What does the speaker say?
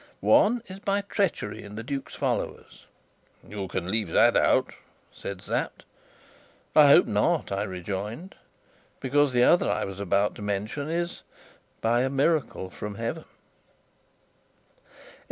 One is by treachery in the duke's followers." "You can leave that out," said Sapt. "I hope not," I rejoined, "because the other I was about to mention is by a miracle from heaven!"